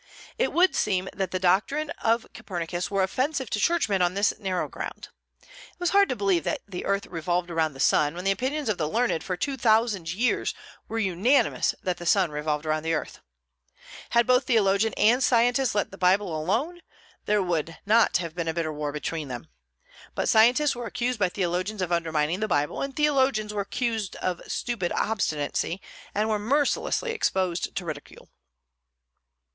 It would seem that the doctrines of Copernicus were offensive to churchmen on this narrow ground. It was hard to believe that the earth revolved around the sun, when the opinions of the learned for two thousand years were unanimous that the sun revolved around the earth. Had both theologian and scientist let the Bible alone, there would not have been a bitter war between them. But scientists were accused by theologians of undermining the Bible; and the theologians were accused of stupid obstinacy, and were mercilessly exposed to ridicule.